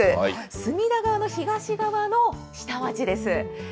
隅田川の東側の下町です。